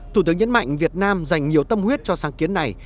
thủ tướng nhấn mạnh việt nam dành nhiều tâm huyết cho sáng kiến này